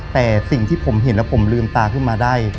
แต่สิ่งที่ผมเห็นแล้วผมลืมตาขึ้นมาได้